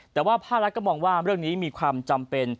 แต่ว่าภาครัฐก็มองว่าเรื่องนี้มีความจำเป็น